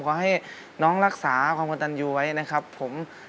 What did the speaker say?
ขอให้น้องรักษาความกระตันยูไว้นะครับผม